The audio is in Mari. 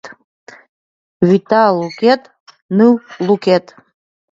Вӱта лукет — ныл лукет